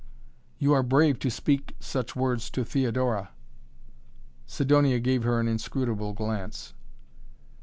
"You are brave to speak such words to Theodora!" Sidonia gave her an inscrutable glance.